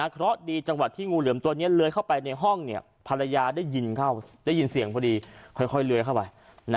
เพราะดีจังหวัดที่งูเหลือมตัวนี้เลื้อยเข้าไปในห้องภรรยาได้ยินเข้าได้ยินเสียงพอดีค่อยเลื้อยเข้าไป